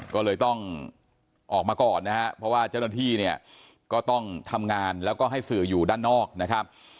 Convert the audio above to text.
ก็เลยต้องออกมาก่อนนะฮะเพราะว่าเจ้าหน้าที่เนี่ยก็ต้องทำงานแล้วก็ให้สื่ออยู่ด้านนอกนะครับ